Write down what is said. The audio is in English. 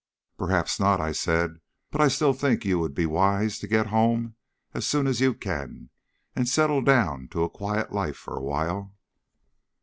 "Perhaps not," I said; "but still I think you would be wise to get home as soon as you can, and settle down to a quiet life for a while."